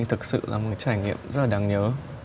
thực sự là một trải nghiệm rất là đáng nhớ